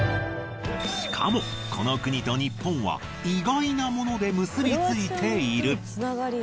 しかもこの国と日本は意外なもので結びついている。